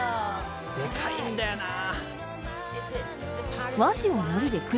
でかいんだよなあ。